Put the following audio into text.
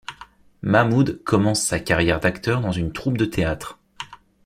Mahmud commence sa carrière d'acteur dans une troupe de théâtre.